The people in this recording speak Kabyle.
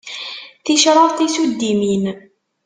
Ticraḍ tisuddimin.